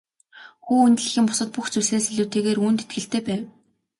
Хүү энэ дэлхийн бусад бүх зүйлсээс илүүтэйгээр үүнд итгэлтэй байв.